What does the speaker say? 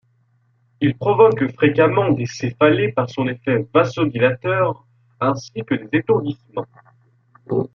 Il provoque fréquemment des céphalées par son effet vasodilatateur, ainsi que des étourdissements.